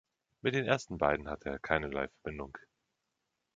Mit den ersten beiden hatte er keinerlei Verbindung.